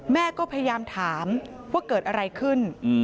แม่ก็พยายามถามว่าเกิดอะไรขึ้น